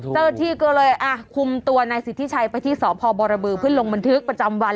เจอที่ก็เลยคุมตัวในสิทธิ์ที่ใช้ไปที่สพบบพึ่นลงบันทึกประจำวัน